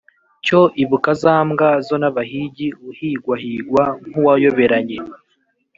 Cyo ibuka za mbwa zo n’abahigi Uhigahigwa nk’uwayoberanye